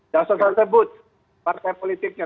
tidak sudah tersebut partai politiknya